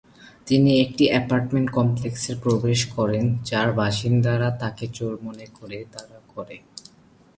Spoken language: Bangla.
তিনি একটি অ্যাপার্টমেন্ট কমপ্লেক্সে প্রবেশ করেন, যার বাসিন্দারা তাকে চোর মনে করে তাড়া করে।